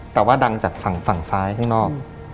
แต่ว่าดังจากฝั่งซ้ายข้างนอก